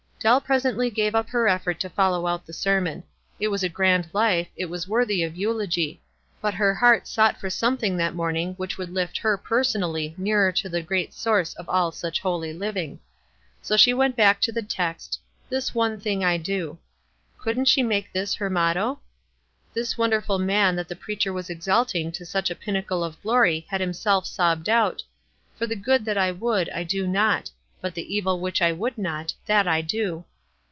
Dell presently gave up her effort to follow out the sermon. It was a grand life, it was worthy of eulogy ; but her heart sought for something that morning which would lift her personally nearer to the great Source of all such holy living; so she went back to the text, "This one thinsr I c l° " Couldn't she make this her motto? This wonderful man that the preacher was exalting to such a pinnacle of glory had himself sobbed out, "For the good that I would, I do not; but the evil which I would not, that I do."